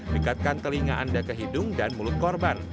dekatkan telinga anda ke hidung dan mulut korban